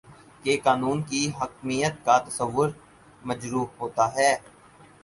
کہ قانون کی حاکمیت کا تصور مجروح ہوتا ہے